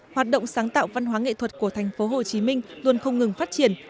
hoạt động sáng tạo văn hóa nghệ thuật của thành phố hồ chí minh luôn không ngừng phát triển